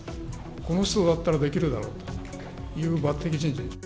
この人だったらできるだろうという抜てき人事です。